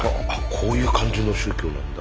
こういう感じの宗教なんだ。